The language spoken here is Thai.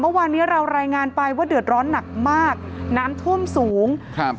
เมื่อวานนี้เรารายงานไปว่าเดือดร้อนหนักมากน้ำท่วมสูงครับ